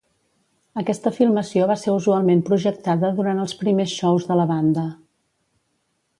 Aquesta filmació va ser usualment projectada durant els primers shows de la banda.